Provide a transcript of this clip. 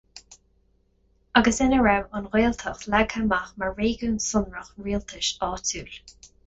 Agus ina raibh an Ghaeltacht leagtha amach mar réigiún sonrach rialtais áitiúil.